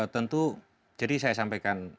tentu jadi saya sampaikan